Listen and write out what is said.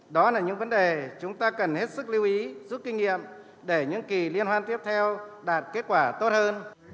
đó là những vấn đề chúng ta cần hết sức lưu ý giúp kinh nghiệm để những kỳ liên hoan tiếp theo đạt kết quả tốt hơn